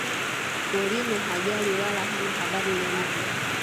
mourinho hajali wala hana habari na mtu